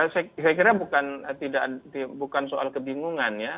saya kira bukan soal kebingungan ya